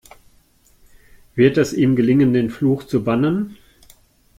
Wird es ihm gelingen, den Fluch zu bannen?